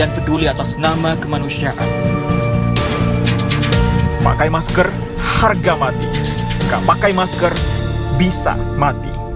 mereka hanya membuat diri mereka